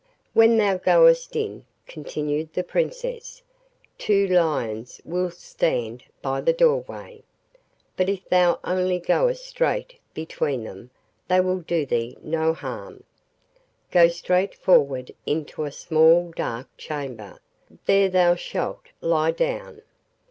'When thou goest in,' continued the Princess, 'two lions will stand by the doorway, but if thou only goest straight between them they will do thee no harm; go straight forward into a small dark chamber; there thou shalt lie down.